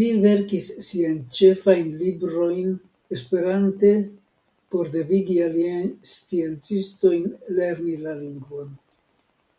Li verkis sian ĉefajn librojn esperante por devigi aliajn sciencistojn lerni la lingvon.